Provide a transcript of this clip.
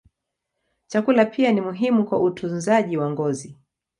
Chakula pia ni muhimu kwa utunzaji wa ngozi.